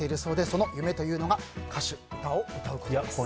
その夢というのが歌手歌を歌うことです。